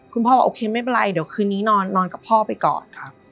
พ่อบอกโอเคไม่เป็นไรเดี๋ยวคืนนี้นอนกับพ่อไปก่อน